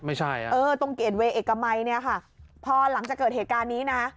ไม่ใช่อ่ะเออตรงเกรดเวย์เอกมัยเนี่ยค่ะพอหลังจากเกิดเหตุการณ์นี้นะ